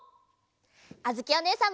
あづきおねえさんも！